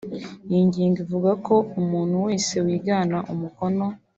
Iyi ngingo ivuga ko umunutu wese wigana umukono